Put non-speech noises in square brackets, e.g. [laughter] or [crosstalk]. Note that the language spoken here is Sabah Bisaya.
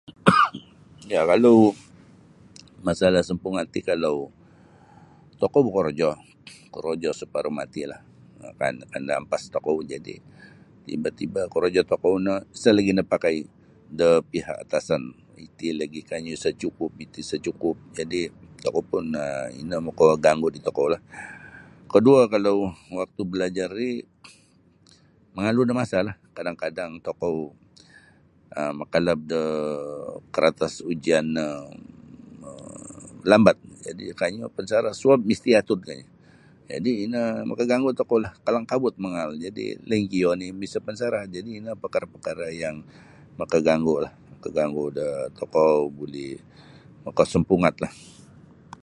[coughs] Ya kalau masalah sampungat ti kalau tokou bokorojo korojo saparuh matilah um kaan kaan da ampas tokou jadi' tiba-tiba korojo tokou no isa lagi napakai da pihak atasan iti lagi kanyu sa cukup iti sa cukup jadi' tokou pun um ino makaganggu di tokou. Koduo kalau waktu balajar ri mangalu da masalah kadang-kadang tokou um makalap do karatas ujian no um lambat jadi kanyu pansarah suob misti iatud kanyu jadi' ino makaganggu tokoulah kalang kabut mangaal lainkah iyo oni' miso pansarah jadi' ino pakara'-pakara' yang makaganggu do tokou buli makasampungatlah.